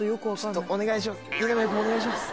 お願いします。